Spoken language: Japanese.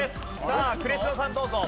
さあ呉城さんどうぞ。